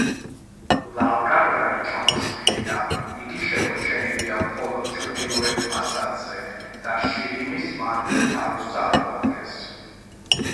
ლავგარდანი ჩამოშლილია იგი შემორჩენილია მხოლოდ ჩრდილოეთ ფასადზე და შირიმის, მარტივ თაროს წარმოადგენს.